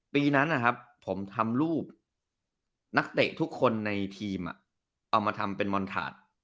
ปีนั้นนะครับผมทำรูปนักเตะทุกคนในทีมเอามาทำเป็นมอนทาร์ด